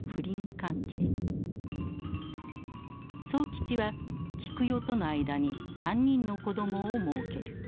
宗吉は菊代との間に３人の子供をもうける。